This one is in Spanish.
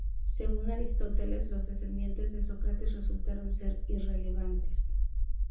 Según Aristóteles, los descendientes de Sócrates resultaron ser irrelevantes.